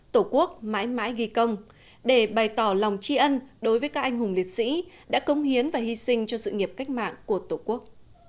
tổ quốc mãi mãi ghi công để bày tỏ lòng tri ân đối với các anh hùng liệt sĩ đã cống hiến và hy sinh cho sự nghiệp cách mạng của tổ quốc